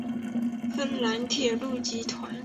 芬兰铁路集团。